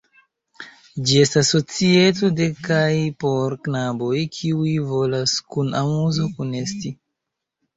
Ĝi estas societo de kaj por knaboj, kiuj volas kun amuzo kunesti.